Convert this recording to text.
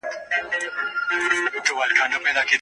هند د سیمې د امنیت په تړاو څه ډول اندېښنې لري؟